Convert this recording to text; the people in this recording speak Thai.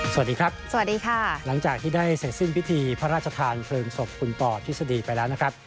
สวัสดีครับสวัสดีค่ะหลังจากที่ได้เสร็จสิ้นพิธีพระราชทานเพลิงศพคุณปอทฤษฎีไปแล้วนะครับ